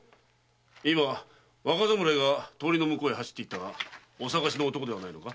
今若侍が通りの向こうへ走っていったがお探しの男ではないか？